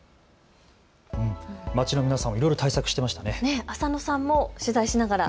街の皆さん、いろいろ対策してましたね。